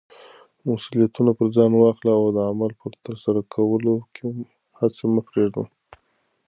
مسولیتونه پر ځان واخله او د عمل په ترسره کولو کې هڅه مه پریږده.